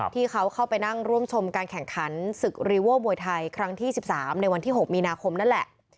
ที่เขาเข้าไปนั่งร่วมชมการแข่งขันศึกรีโว้มวยไทยครั้งที่๑๓ในวันที่๖มีนาคมนั่นแหละ